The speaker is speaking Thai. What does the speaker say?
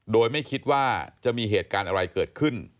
โดยไม่คิดว่าจะมีเหตุการณ์อะไรเกิดขึ้น